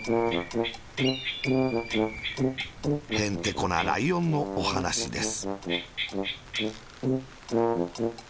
へんてこなライオンのおはなしです。